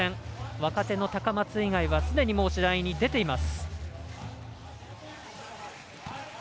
若手の高松以外はすでにもう試合に出ています。